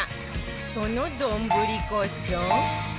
その丼こそ